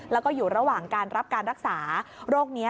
แล้วก็อยู่ระหว่างการรับการรักษาโรคนี้